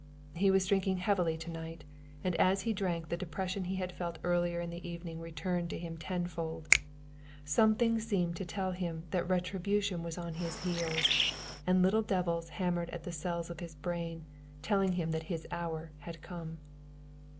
He was drinking heavily to night, and as he drank the depression he had felt earlier in the evening returned to him tenfold; something seemed to tell him that retribution was on his heels, and little devils hammered at the cells of his brain telling him that his hour had come.